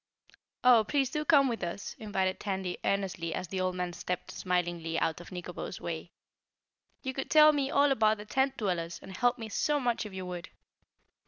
"Oh, please do come with us," invited Tandy earnestly as the old man stepped smilingly out of Nikobo's way. "You could tell me all about the tent dwellers and help me so much if you would."